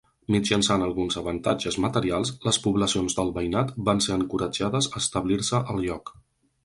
Mitjançant alguns avantatges materials, les poblacions del veïnat van ser encoratjades a establir-se al lloc.